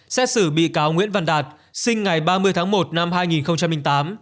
xét xử bị cáo nguyễn văn đạt sinh ngày ba mươi tháng một năm hai nghìn tám